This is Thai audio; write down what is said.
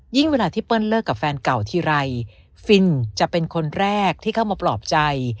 เวลาที่เปิ้ลเลิกกับแฟนเก่าทีไรฟินจะเป็นคนแรกที่เข้ามาปลอบใจ